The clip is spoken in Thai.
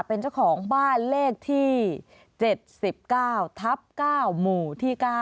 เป็นเจ้าของบ้านเลขที่๗๙ทับ๙หมู่ที่๙